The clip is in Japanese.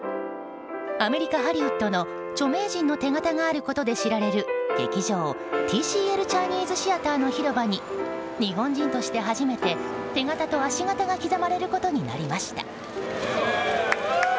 アメリカ・ハリウッドの著名人の手形があることで知られる劇場ＴＣＬチャイニーズシアターの広場に日本人として初めて手形と足形が刻まれることになりました。